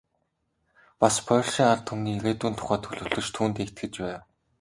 Бас польшийн ард түмний ирээдүйн тухай төлөвлөж, түүндээ итгэж байв.